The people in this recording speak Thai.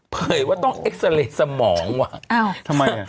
เผยว่าต้องเอ็กซาเรนสมองอะ